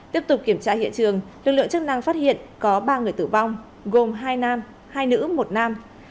tiếp tục kiểm tra hiện trường lực lượng chức năng phát hiện có ba người tử vong gồm hai nam hai nữ một nam